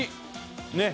ねっ。